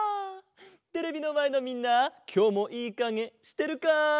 テレビのまえのみんなきょうもいいかげしてるか？